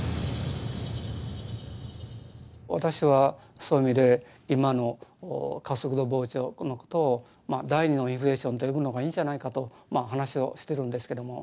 私はそういう意味で今の加速度膨張のことを第２のインフレーションと呼ぶのがいいんじゃないかと話をしてるんですけども。